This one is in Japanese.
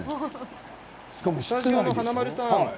スタジオの華丸さん